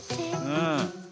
うん。